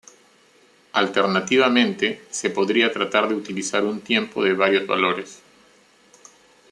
Alternativamente, se podría tratar de utilizar un tiempo de varios valores.